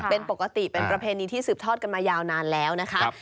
เป็นปกติเป็นประเพณีที่สืบทอดกันมายาวนานแล้วนะคะ